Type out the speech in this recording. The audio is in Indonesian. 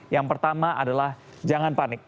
yang pertama adalah jangan panik